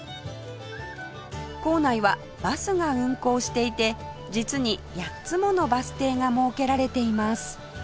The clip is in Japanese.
構内はバスが運行していて実に８つものバス停が設けられています